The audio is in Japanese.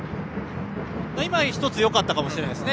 今、１つよかったかもしれないですね